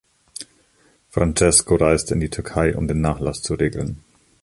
Francesco reist in die Türkei, um den Nachlass zu regeln.